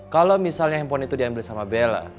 kalau misalnya handphone itu diambil sama bella